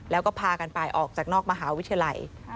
แล้วก็พากันไปออกจากนอกมหาวิทยาลัย